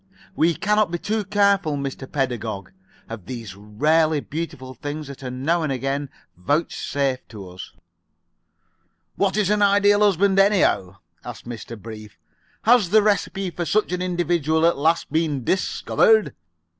We cannot be too careful, Mr. Pedagog, of these rarely beautiful things that are now and again vouchsafed to us." "What is an Ideal Husband, anyhow?" asked Mr. Brief. "Has the recipe for such an individual at last been discovered?"